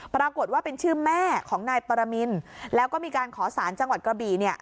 ปรากฏว่าเป็นชื่อแม่ของนายปรมินแล้วก็มีการขอสารจังหวัดกระบี่เนี่ย